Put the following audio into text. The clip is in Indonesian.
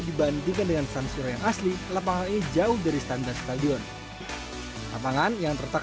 dibandingkan dengan sansiro yang asli lapangan ini jauh dari standar stadion lapangan yang tertak